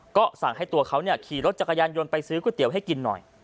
ก็สั่งให้ตัวเขาขี่รถจักรยานยนต์ไปซื้อก๋วยเตี๋ยวให้กินหน่อย